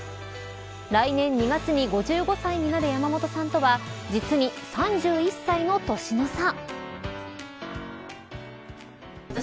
来年２月に５５歳になる山本さんとは実に３１歳の年の差。